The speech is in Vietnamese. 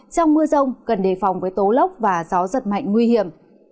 trong mưa rông cần đề phòng với tố lốc và gió giật mạnh nguy hiểm